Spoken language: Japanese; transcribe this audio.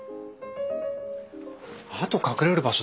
あと隠れる場所